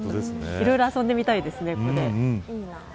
いろいろ遊んでみたいですね。